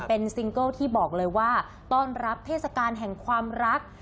เป็นซิงเกิลที่บอกเลยว่าต้อนรับเทศกาลแห่งความรัก